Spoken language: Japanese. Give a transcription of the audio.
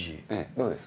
どうです？